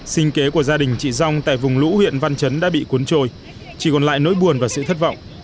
sinh kế của gia đình chị dòng tại vùng lũ huyện văn chấn đã bị cuốn trôi chỉ còn lại nỗi buồn và sự thất vọng